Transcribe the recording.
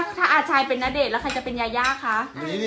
คุณชายหน้าเหมือนใครบอก